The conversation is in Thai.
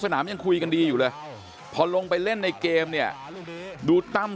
ยังคุยกันดีอยู่เลยพอลงไปเล่นในเกมเนี่ยดูตั้ม